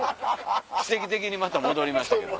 奇跡的にまた戻りましたけど。